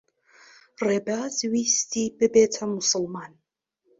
ڕێباز ویستی ببێتە موسڵمان.